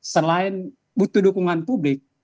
selain butuh dukungan publik